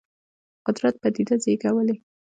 قدرت پدیده زېږولې.